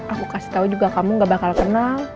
aku kasih tahu juga kamu gak bakal kenal